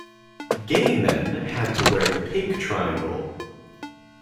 Gay men had to wear the Pink Triangle.